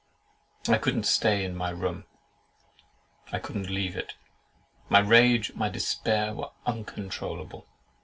I could not stay in the room; I could not leave it; my rage, my despair were uncontrollable.